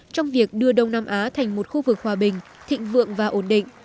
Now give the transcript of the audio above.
trong việc đưa đông nam á thành một khu vực hòa bình thịnh vượng và ổn định